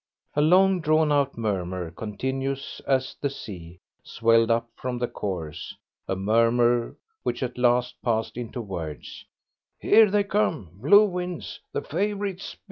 A long drawn out murmur, continuous as the sea, swelled up from the course a murmur which at last passed into words: "Here they come; blue wins, the favourite's beat."